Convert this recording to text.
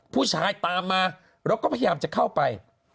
ผู้ชายตามมาแล้วก็พยายามจะเข้าไป